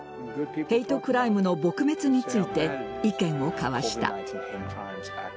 ヘイトクライムの撲滅について意見を交わした。